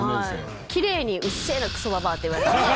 きれいにうっせえなクソババアって言われました。